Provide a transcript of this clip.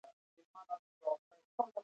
شوې